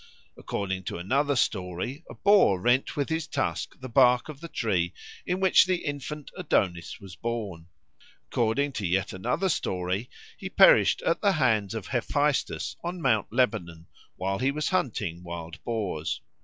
According to another story, a boar rent with his tusk the bark of the tree in which the infant Adonis was born. According to yet another story, he perished at the hands of Hephaestus on Mount Lebanon while he was hunting wild boars.